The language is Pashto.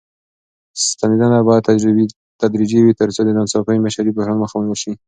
ستنېدنه بايد تدريجي وي تر څو د ناڅاپي بشري بحران مخه ونيول شي.